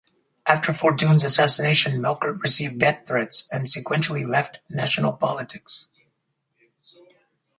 After Fortuyn's assassination Melkert received death threats and sequentially left national politics.